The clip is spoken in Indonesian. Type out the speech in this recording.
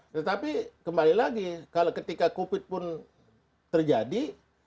tetapi kembali lagi kalau ketika covid pun terjadi